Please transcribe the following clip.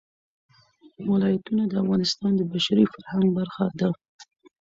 ولایتونه د افغانستان د بشري فرهنګ برخه ده.